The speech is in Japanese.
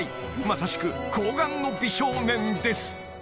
まさしく紅顔の美少年です］